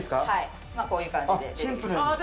こういう感じで。